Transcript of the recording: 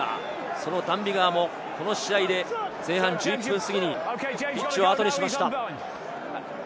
そのダン・ビガーも、この試合で前半１１分過ぎにピッチをあとにしました。